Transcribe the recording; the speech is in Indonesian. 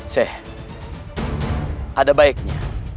syekh ada baiknya